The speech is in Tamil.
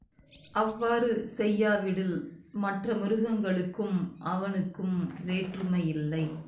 அவ்வாறு செய்யாவிடில், மற்ற மிருகங்களுக்கும் அவனுக்கும் வேற்றுமை யில்லை.